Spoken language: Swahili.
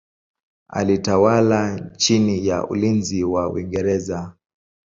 Alitawala chini ya ulinzi wa Uingereza.